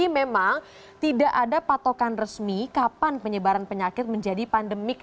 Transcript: memang tidak ada patokan resmi kapan penyebaran penyakit menjadi pandemik